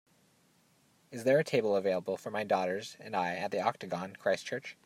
is there a table available for my daughters and I at The Octagon, Christchurch